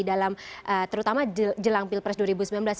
dalam terutama jelang pilpres dua ribu sembilan belas